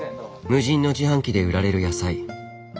無人の自販機で売られる野菜。